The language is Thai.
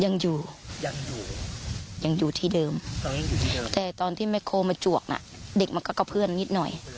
ยังอยู่ยังอยู่ยังอยู่ที่เดิมแต่ตอนที่แม่โคมาจวกน่ะเด็กมันก็กระเพื่อนนิดหน่อย